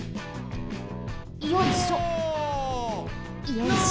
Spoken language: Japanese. よいしょ。